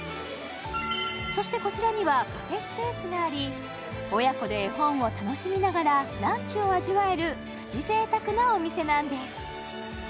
そしてこちらにはカフェスペースがあり親子で絵本を楽しみながらランチを味わえるプチ贅沢なお店なんです